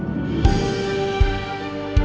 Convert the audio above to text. jangan lupa untuk mencoba